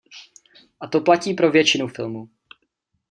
A to platí pro většinu filmu.